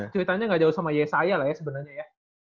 cuitannya ga jauh sama yesaya lah ya sebenernya ya